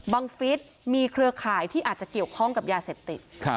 ฟิศมีเครือข่ายที่อาจจะเกี่ยวข้องกับยาเสพติด